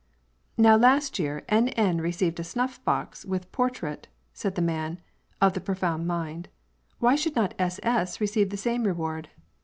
" Now last year N. N. received a snuff box, with a portrait," said the man " of the profound mind." " Why should not S. S. receive the same reward